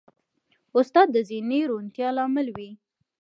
استاد د ذهني روڼتیا لامل وي.